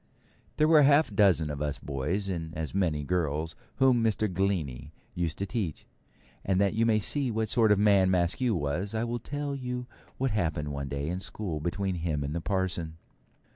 There were a half dozen of us boys, and as many girls, whom Mr. Glennie used to teach; and that you may see what sort of man Maskew was, I will tell you what happened one day in school between him and the parson.